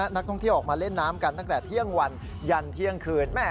นักท่องเที่ยวออกมาเล่นน้ำกันตั้งแต่เที่ยงวันยันเที่ยงคืน